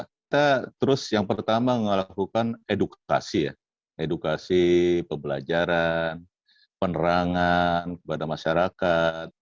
kita terus yang pertama melakukan edukasi ya edukasi pembelajaran penerangan kepada masyarakat